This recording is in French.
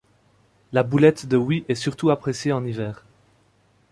La boulette de Huy est surtout appréciée en hiver.